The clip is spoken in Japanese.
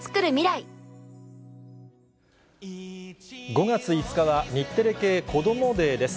５月５日は日テレ系こどもｄａｙです。